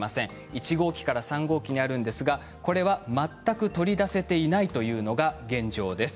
１号機から３号機にあるんですがこれは全く取り出せていないというのが現状です。